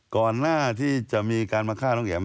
ก่อนหน้าที่จะมีการมาฆ่าน้องแอ๋ม